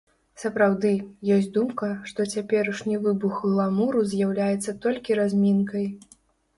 Сапраўды, ёсць думка, што цяперашні выбух гламуру з'яўляецца толькі размінкай.